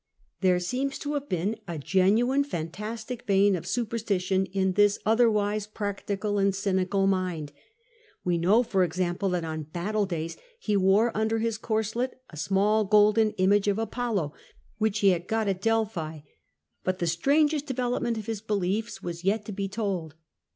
There seems to have been a genuine fantastic vein of superstition in this otherwise practical and cynical mind. We know, for example, that on battle days he wore under his corslet a small golden image of Apollo which he had got at Delphi. But the strangest development of his beliefs has yet to be told.